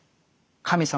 「神様